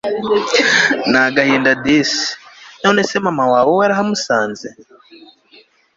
nagahinda disi, nonese mama wawe we warahamusanze!